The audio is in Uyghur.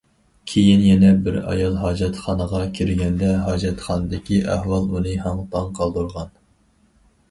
كىيىن يەنە بىر ئايال ھاجەتخانىغا كىرگەندە ھاجەتخانىدىكى ئەھۋال ئۇنى ھاڭ تاڭ قالدۇرغان.